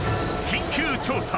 ［緊急調査！